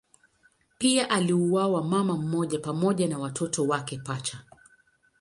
Pia aliuawa mama mmoja pamoja na watoto wake pacha.